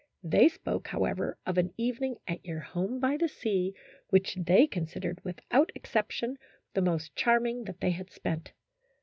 They spoke, however, of an evening at your home by the sea, which they considered, without exception, the most charming that they had spent.